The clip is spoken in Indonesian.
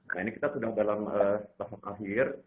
nah ini kita sudah dalam tahap akhir